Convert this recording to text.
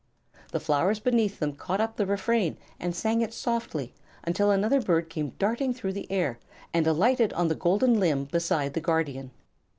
The flowers beneath them caught up the refrain, and sang it softly until another bird came darting through the air and alighted on the golden limb beside the Guardian.